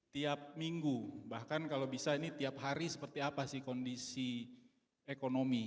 tiap minggu bahkan kalau bisa ini tiap hari seperti apa sih kondisi ekonomi